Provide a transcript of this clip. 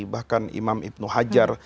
bahkan imam ibnu hajar